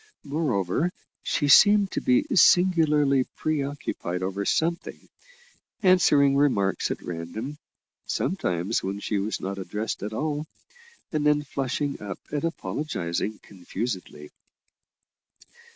Moreover, she seemed to be singularly pre occupied over something, answering remarks at random sometimes when she was not addressed at all and then flushing up and apologising confusedly.